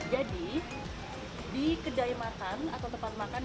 jadi di kedai makan atau tempat makan yang ada di kawasan bukit bintang